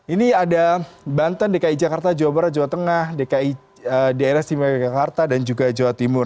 ini ada banten dki jakarta jawa barat jawa tengah dki daerah istimewa yogyakarta dan juga jawa timur